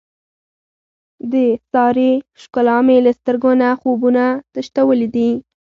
د سارې ښکلا مې له سترګو نه خوبونه تښتولي دي.